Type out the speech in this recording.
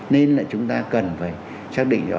nên là chúng ta cần phải xác định rõ